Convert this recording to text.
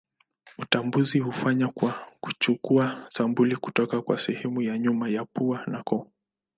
Utambuzi hufanywa kwa kuchukua sampuli kutoka kwa sehemu ya nyuma ya pua na koo.